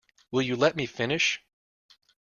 Will you let me finish?